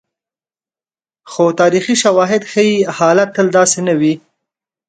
خو تاریخي شواهد ښيي، حالت تل داسې نه وي.